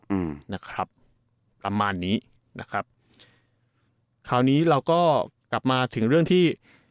อืมนะครับประมาณนี้นะครับคราวนี้เราก็กลับมาถึงเรื่องที่